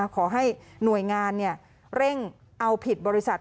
ขอให้หน่วยงานเร่งเอาผิดบริษัท